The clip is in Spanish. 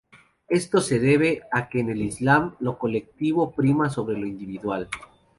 Esto se debe a que en el Islam lo colectivo prima sobre lo individual.